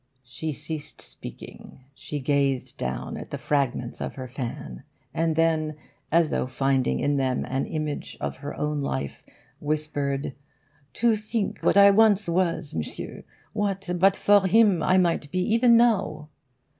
'She ceased speaking. She gazed down at the fragments of her fan, and then, as though finding in them an image of her own life, whispered, "To think what I once was, monsieur! what, but for him, I might be, even now!"